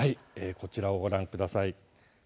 こちらご覧ください